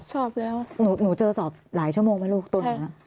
สอบไปแล้วหนูเจอสอบหลายชั่วโมงไหมลูกตัวหนู